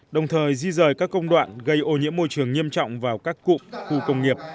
đồng thời di rời các công đoạn gây ô nhiễm môi trường nghiêm trọng vào các cụm khu công nghiệp